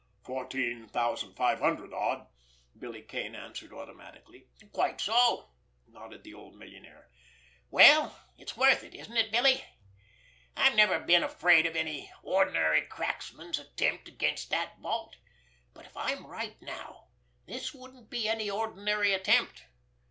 "Fourteen thousand five hundred odd," Billy Kane answered automatically. "Quite so!" nodded the old millionaire. "Well, it's worth it, isn't it, Billy? I've never been afraid of any ordinary cracksman's attempt against that vault; but, if I am right now, this wouldn't be any ordinary attempt.